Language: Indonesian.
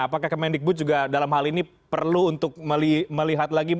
apakah kemendikbud juga dalam hal ini perlu untuk melihat lagi